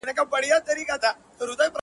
ژوند به نه غواړي مرگی به یې خوښېږي٫